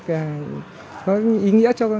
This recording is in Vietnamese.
có ý nghĩa cho